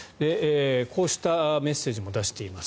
こうしたメッセージも出しています。